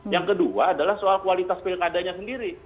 yang kedua adalah soal kualitas pilkadanya sendiri